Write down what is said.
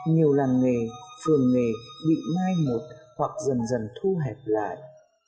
nhiều làng nghề phường nghề bị mai một hoặc dần dần thu hẹp lại